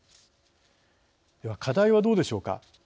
では、課題はどうでしょうか。